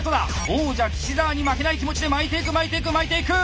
王者岸澤に負けない気持ちで巻いていく巻いていく巻いていく！